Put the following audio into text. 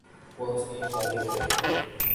وہ اس کے خالق تھے۔